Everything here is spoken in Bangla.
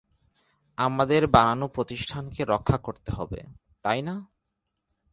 আমাদের বানানো প্রতিষ্ঠানকে রক্ষা করতে হবে, তাই না?